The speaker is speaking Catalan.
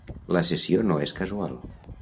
La cessió no és casual.